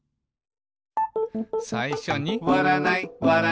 さいしょに「わらないわらないわらない」